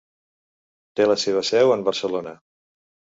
Té la seva seu en Barcelona.